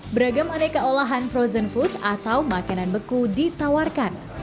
beragam adek keolahan frozen food atau makanan beku ditawarkan